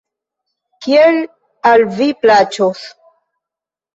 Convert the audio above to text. Kiel al vi plaĉos.